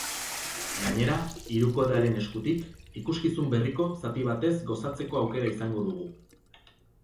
Gainera, hirukotearen eskutik, ikuskizun berriko zati batez gozatzeko aukera izango dugu.